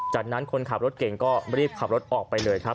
จากนั้นคนขับรถเก่งก็รีบขับรถออกไปเลยครับ